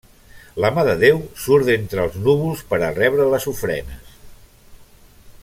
La mà de Déu surt d'entre els núvols per a rebre les ofrenes.